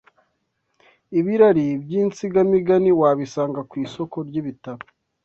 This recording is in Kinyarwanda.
Ibirari by’insigamigani wabisanga ku isoko ry’ ibitabo